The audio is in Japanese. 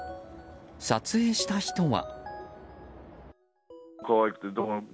撮影した人は。